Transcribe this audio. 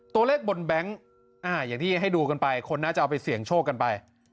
ตัวเลขบนแบงค์อย่างที่ให้ดูกันไปคนน่าจะเอาไปเสี่ยงโชคกันไป